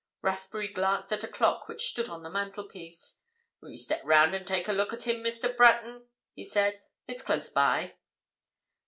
Rathbury glanced at a clock which stood on the mantelpiece. "Will you step round and take a look at him, Mr. Breton?" he said. "It's close by."